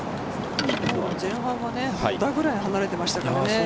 前半は５打ぐらい離れていましたからね。